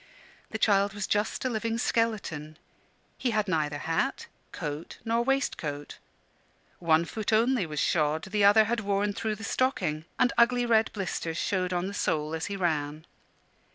The child was just a living skeleton; he had neither hat, coat, nor waistcoat; one foot only was shod, the other had worn through the stocking, and ugly red blisters showed on the sole as he ran.